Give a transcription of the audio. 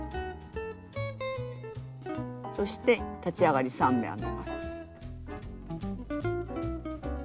そして立ち上がり３目編みます。